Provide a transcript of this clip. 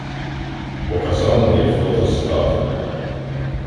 Показав моє фото з датою.